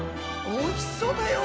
おいしそうだよ。